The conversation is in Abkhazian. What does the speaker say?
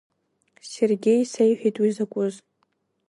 Сергеи исеиҳәеит уи закәыз.